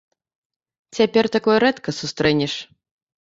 Цяпер такое рэдка сустрэнеш.